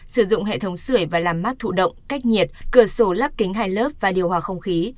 sử dụng hệ thống sửa và làm mát thụ động cách nhiệt cửa sổ lắp kính hai lớp và điều hòa không khí